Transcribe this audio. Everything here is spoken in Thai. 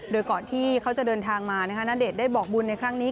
โดยก่อนที่เขาจะเดินทางมาณเดชน์ได้บอกบุญในครั้งนี้